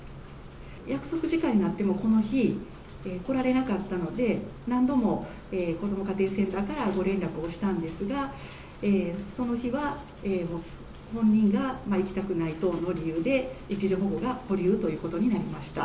約束時間になっても、この日、来られなかったので、何度もこども家庭センターからご連絡をしたんですが、その日は本人が行きたくない等の理由で、一時保護が保留ということになりました。